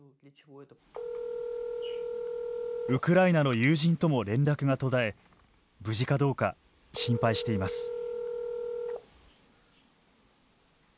ウクライナの友人とも連絡が途絶え無事かどうか心配しています。